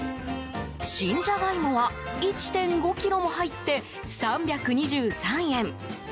新ジャガイモは１．５ｋｇも入って３２３円。